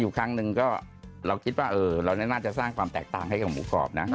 ครั้งหนึ่งก็เราคิดว่าเราน่าจะสร้างความแตกต่างให้กับหมูกรอบนะ